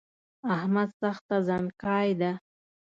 احمد سخته زڼکای ده